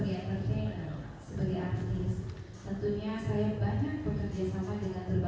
dan pastinya fasilitasnya seperti jemputan tlp hotel sesuai dengan tdip